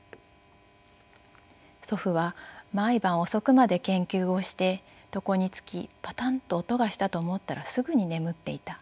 祖父は毎晩遅くまで研究をして床につきパタンと音がしたと思ったらすぐに眠っていた。